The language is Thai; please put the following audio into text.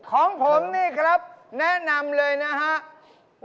ของผมนี่ครับแนะนำเลยนะครับ